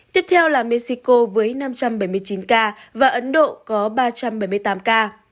tiếp theo là mexico với năm trăm bảy mươi chín ca và ấn độ có ba trăm bảy mươi tám ca